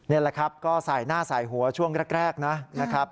นี่แหละครับก็ใส่หน้าใส่หัวช่วงแรกนะครับ